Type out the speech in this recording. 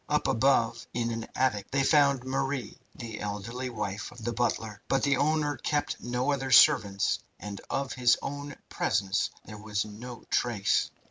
Up above, in an attic, they found Marie, the elderly wife of the butler; but the owner kept no other servants, and of his own presence there was no trace.